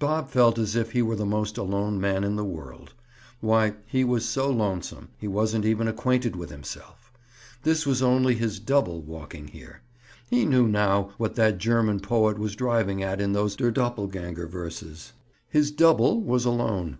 Bob felt as if he were the most alone man in the world! Why, he was so lonesome, he wasn't even acquainted with himself. This was only his "double" walking here. He knew now what that German poet was driving at in those Der Doppleganger verses. His "double" was alone.